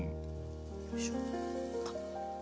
よいしょ。